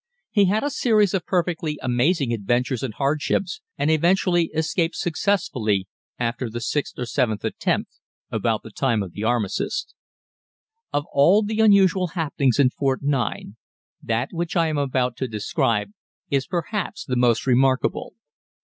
He had a series of perfectly amazing adventures and hardships, and eventually escaped successfully, after the sixth or seventh attempt, about the time of the armistice. Of all the unusual happenings in Fort 9, that which I am about to describe is perhaps the most remarkable.